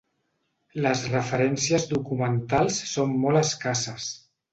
Les referències documentals són molt escasses.